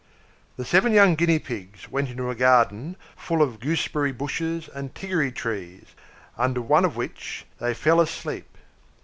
The seven young Guinea Pigs went into a garden full of goose berry bushes and tiggory trees, under one of which they fell asleep.